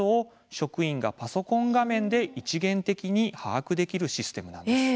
職員がパソコン画面で一元的に把握できるシステムなんです。